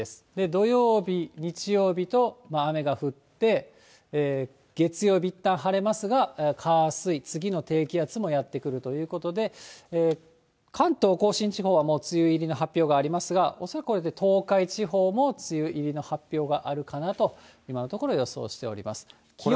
土曜日、日曜日と雨が降って、月曜日、いったん晴れますが、火、水、次の低気圧もやって来るということで、関東甲信地方は梅雨入りの発表がありますが、恐らくこれで東海地方も梅雨入りの発表があるかなと今のところ、予想しております。